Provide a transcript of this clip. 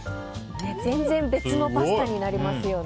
全然別のパスタになりますよね。